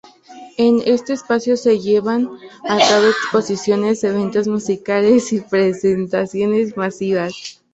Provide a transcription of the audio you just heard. En este espacio se llevan a cabo exposiciones, eventos musicales y presentaciones masivas.